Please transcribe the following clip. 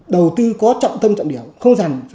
đầu tư có trọng tâm trọng điểm